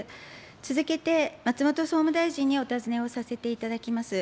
続けて、松本総務大臣にお尋ねをさせていただきます。